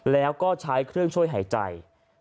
แล้วก็ใช้เครื่องช่วยหายใจ